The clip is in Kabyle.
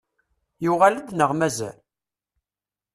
Yuɣal-d neɣ mazal?